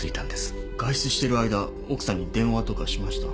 外出してる間奥さんに電話とかしました？